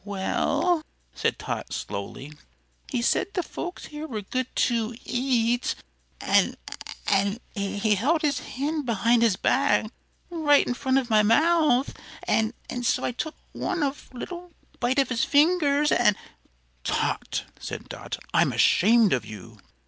"Well," said Tot, slowly, "he said the folks here were good to eat; an' an' he held his hand behind his back right in front of my mouth; an' so I took one of little bite off his fingers, an' " "Tot," said Dot, "I'm ashamed of you!